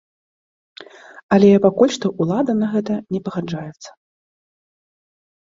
Але пакуль што ўлада на гэта не пагаджаецца.